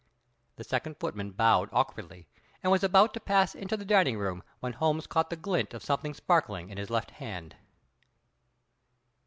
The second footman bowed awkwardly, and was about to pass into the dining room when Holmes caught the glint of something sparkling in his left hand.